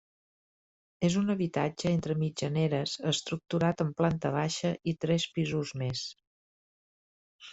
És un habitatge entre mitjaneres estructurat en planta baixa i tres pisos més.